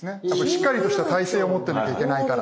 しっかりとした体制を持ってないといけないから。